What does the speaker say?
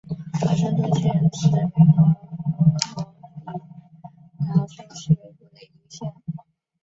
华盛顿县是美国佛罗里达州西北部的一个县。